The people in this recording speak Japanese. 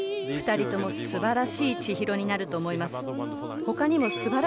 ２人とも素晴らしい千尋になると思います。